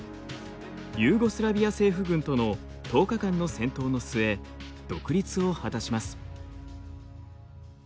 ユーゴスラビア政府軍との１０日間の戦闘の末独立を果たします。